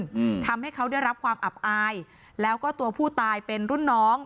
อืมทำให้เขาได้รับความอับอายแล้วก็ตัวผู้ตายเป็นรุ่นน้อง